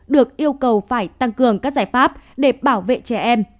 được yêu cầu phải tăng cường các giải pháp để bảo vệ trẻ em